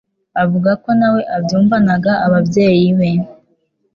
avuga ko na we yumvanaga ababyeyi be